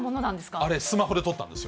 あれ、スマホで撮ったんですよ。